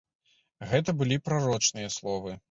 Гэта былі прарочыя словы.